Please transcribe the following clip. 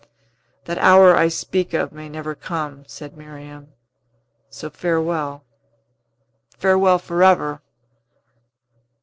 "That hour I speak of may never come," said Miriam. "So farewell farewell forever."